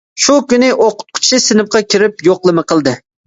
شۇ كۈنى ئوقۇتقۇچى سىنىپقا كىرىپ يوقلىما قىلدى.